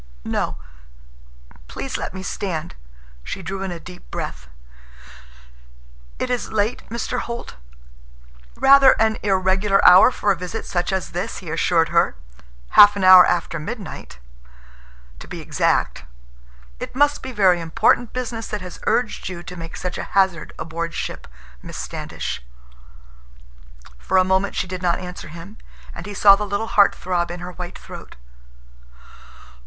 "No. Please let me stand." She drew in a deep breath. "It is late, Mr. Holt?" "Rather an irregular hour for a visit such as this," he assured her. "Half an hour after midnight, to be exact. It must be very important business that has urged you to make such a hazard aboard ship, Miss Standish." For a moment she did not answer him, and he saw the little heart throb in her white throat.